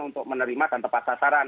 untuk menerima dan tepat sasaran